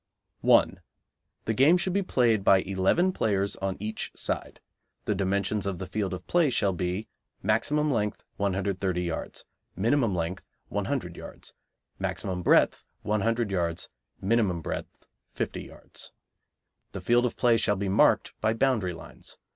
1. The game should be played by eleven players on each side. The dimensions of the field of play shall be maximum length, 130 yards; minimum length, 100 yards; maximum breadth, 100 yards; minimum breadth, 50 yards. The field of play shall be marked by boundary lines.